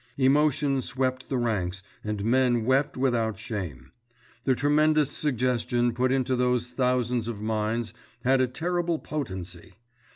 _" Emotion swept the ranks and men wept without shame. The tremendous suggestion put into those thousands of minds had a terrible potency.